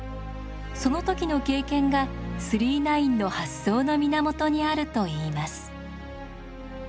その時の経験が「９９９」の発想の源にあるといいます。